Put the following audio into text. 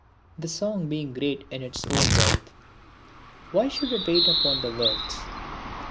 The song being great in its own wealth, why should it wait upon the words?